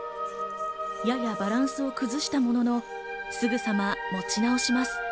ややバランスを崩したものの、すぐさま持ち直します。